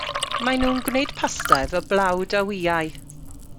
Mae nhw'n gwneud pasta efo blawd a wyau.